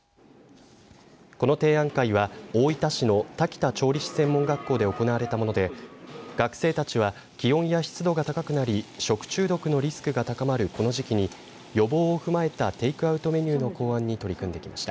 この提案会は大分市の田北調理師専門学校で行われたもので学生たちは気温や湿度が高くなり食中毒のリスクが高まるこの時期に予防を踏まえたテイクアウトメニューの考案に取り組んできました。